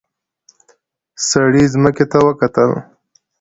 سړي ځمکې ته وکتل.